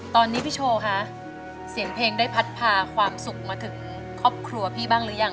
ตอนนี้พี่โชว์คะเสียงเพลงได้พัดพาความสุขมาถึงครอบครัวพี่บ้างหรือยัง